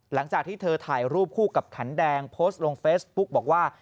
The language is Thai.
หลังจากที่เธอถ่ายรูปคู่กับขันแดงโพสต์ลงเฟซบุ๊กบอกว่า